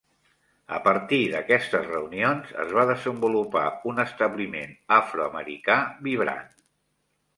A partir d'aquestes reunions, es va desenvolupar un establiment afroamericà vibrant.